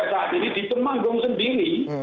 alhamdulillah terus di temanggung di jawa tengah